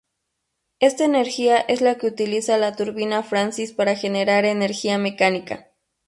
Esta energía es la que utiliza la turbina Francis para generar energía mecánica.